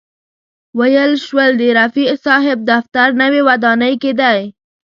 ویل شول د رفیع صاحب دفتر نوې ودانۍ کې دی.